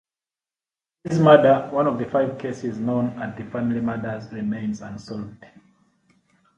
His murder, one of the five cases known as The Family Murders remains unsolved.